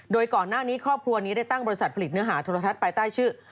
โดยก่อนหน้านี้ครอบครัวนี้ได้ตั้งบริษัทผลิตเนื้อหาโทรทัศน์ภายใต้ชื่อ